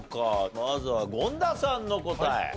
まずは権田さんの答え。